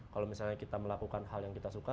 kalau misalnya kita melakukan hal yang kita suka